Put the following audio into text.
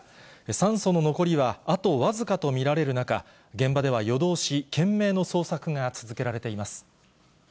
酸素の残りはあと僅かと見られる中、現場では夜通し懸命の捜索が続けられています。